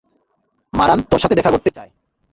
মারান তোর সাথে দেখা করতে চাই।